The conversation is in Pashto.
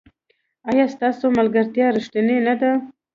ایا ستاسو ملګرتیا ریښتینې نه ده؟